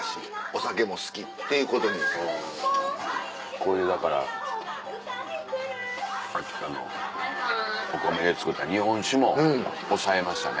これでだから秋田のお米で造った日本酒も押さえましたね。